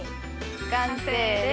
完成です。